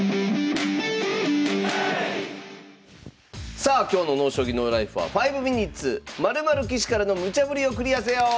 さあ今日の「ＮＯ将棋ＮＯＬＩＦＥ」は「５ｍｉｎｕｔｅｓ○○棋士からのムチャぶりをクリアせよ」！